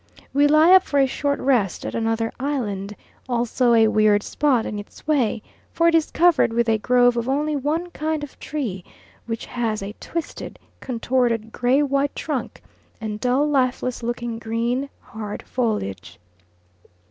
We lie up for a short rest at another island, also a weird spot in its way, for it is covered with a grove of only one kind of tree, which has a twisted, contorted, gray white trunk and dull, lifeless looking, green, hard foliage.